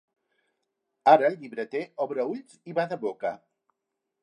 Ara el llibreter obre ulls i bada boca.